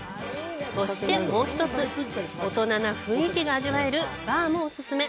そして、もう１つ大人な雰囲気が味わえるバーもおすすめ。